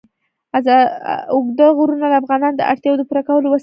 اوږده غرونه د افغانانو د اړتیاوو د پوره کولو وسیله ده.